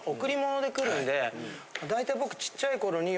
だいたい僕。